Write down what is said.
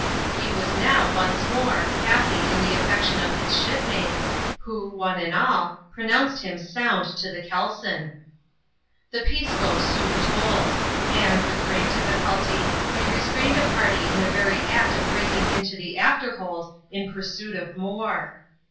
He was now once more happy in the affection of his shipmates, who, one and all, pronounced him sound to the kelson. The Pisco soon told ; and, with great difficulty, we restrained a party in the very act of breaking into the after hold in pursuit of more.